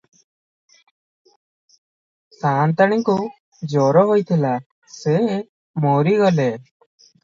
ସାଆନ୍ତାଣୀଙ୍କୁ ଜର ହୋଇଥିଲା, ସେ ମରିଗଲେ ।